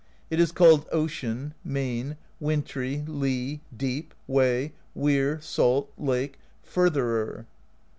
It is called Ocean, Main, Wintry, Lee, Deep, Way, Weir, Salt, Lake, Fur therer.